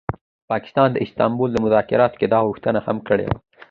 پاکستان د استانبول مذاکراتو کي دا غوښتنه هم کړې وه